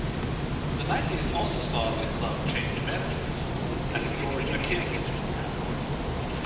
The Nineties also saw the club change management, as George Akins Jnr.